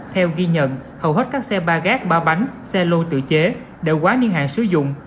theo ghi nhận hầu hết các xe ba gác ba bánh xe lô tự chế đều quá niên hạn sử dụng